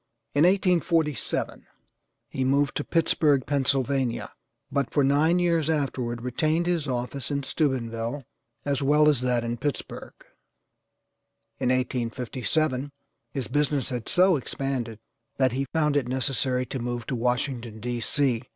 In 1847 he moved to Pittsburgh, Pennsylvania, but for nine years afterward retained his office in Steubenville, as well as that in Pittsburgh. In 1857 his business had so expanded that he found it necessary to move to Washington, D. C.